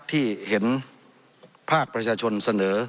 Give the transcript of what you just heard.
ที่เห็นภาคประชาชนเสนอ